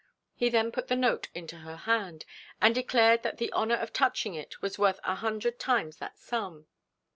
He then put the note into her hand, and declared that the honour of touching it was worth a hundred times that sum.